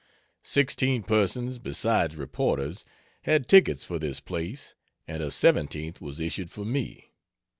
Sixteen persons, besides reporters, had tickets for this place, and a seventeenth was issued for me.